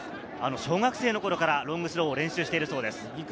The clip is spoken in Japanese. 小学生の頃からロングスローを練習しているそうです。